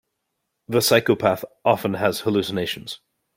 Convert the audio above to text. The psychopath often has hallucinations.